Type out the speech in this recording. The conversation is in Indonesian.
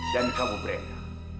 dan kamu brenda